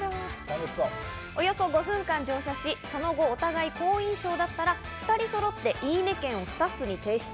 およそ５分間乗車し、その後お互い好印象だったら、２人そろって「いいね！券」をスタッフに提出。